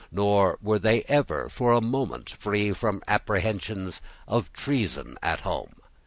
Nor were they ever for a moment free from apprehensions of some great treason at home.